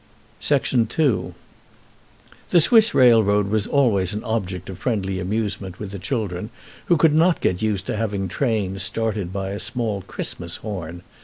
II The Swiss railroad was always an object of friendly amusement with the children, who could not get used to having the trains started by a small Christmas horn.